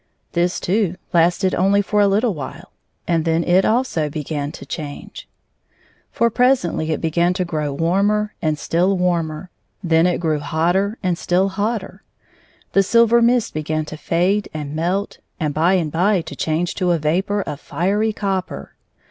This, too, lasted only for a little while, and then it also began to change. For presently it began to grow warmer and still warmer. Then it grew hotter and still hotter. The silver mist began to fade and melt and by and by to change to a vapor of fiery copper.